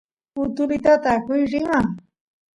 utulitata akush rima